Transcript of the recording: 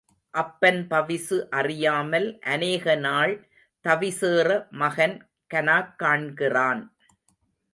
அப்பன் பவிசு அறியாமல் அநேக நாள் தவிசேற மகன் கனாக் காண்கிறான்.